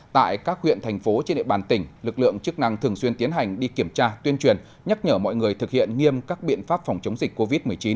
tại các huyện thành phố trên địa bàn tỉnh lực lượng chức năng thường xuyên tiến hành đi kiểm tra tuyên truyền nhắc nhở mọi người thực hiện nghiêm các biện pháp phòng chống dịch covid một mươi chín